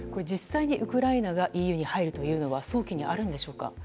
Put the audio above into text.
実際にウクライナがＥＵに入るというのは早期にあるんでしょうか。